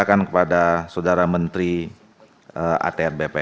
dan saya sudah berharap